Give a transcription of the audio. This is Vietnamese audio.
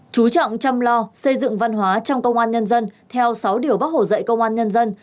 chú trọng chăm lo xây dựng văn hóa trong công an nhân dân theo sáu điều bác hồ dạy công an nhân dân